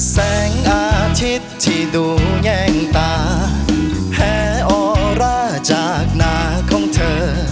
แสงอาทิตย์ที่ดวงแย่งตาแพ้ออร่าจากหน้าของเธอ